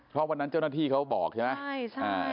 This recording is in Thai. เพราะวันนั้นเจ้าหน้าที่เขาบอกใช่ไหมใช่ใช่